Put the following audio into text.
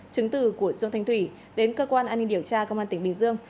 chứng từ của dương thanh thủy đến cơ quan an ninh điều tra công an tỉnh bình dương